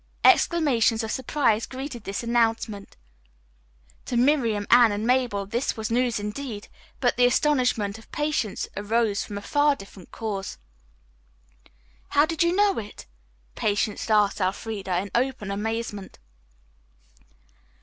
Exclamations of surprise greeted this announcement. To Miriam, Anne and Mabel this was news indeed, but the astonishment of Patience arose from a far different cause. "How did you know it?" Patience asked Elfreda in open amazement.